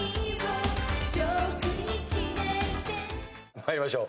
参りましょう。